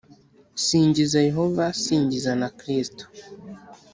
Singiza Yehova singiza na Kristo